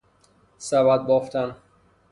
سبد بافتن